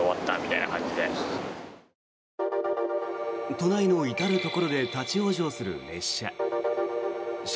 都内の至るところで立ち往生する列車。